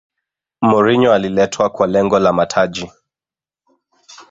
mourinho aliletwa kwa lengo la mataji